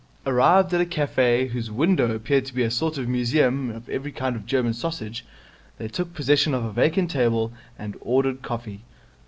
Arrived at a cafe whose window appeared to be a sort of museum of every kind of German sausage, they took possession of a vacant table and ordered coffee.